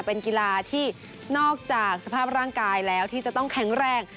เป็นกีฬาที่นอกจากสภาพร่างกายแล้วที่จะต้องแข็งแรง